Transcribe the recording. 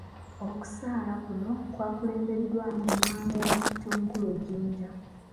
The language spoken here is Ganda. Okusaala kuno kwakulembeddwamu Imaam w'omuzikiti omukulu e Jinja.